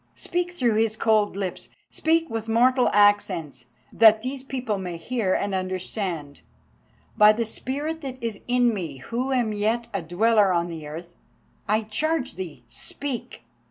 Speak through his cold lips, speak with mortal accents, that these people may hear and understand. By the spirit that is in me, who am yet a dweller on the earth, I charge thee speak.